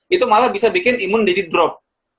itu malah bisa bikin imun jadi drop